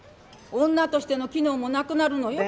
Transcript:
女としての機能もなくなるのよ。